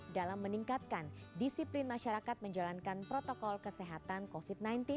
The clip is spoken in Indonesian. dalam meningkatkan disiplin masyarakat menjalankan protokol kesehatan covid sembilan belas